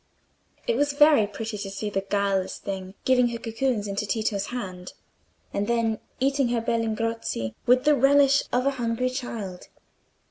It was very pretty to see the guileless thing giving her cocoons into Tito's hand, and then eating her berlingozzi with the relish of a hungry child.